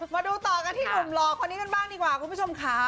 มาดูต่อกันที่หนุ่มหล่อคนนี้กันบ้างดีกว่าคุณผู้ชมค่ะ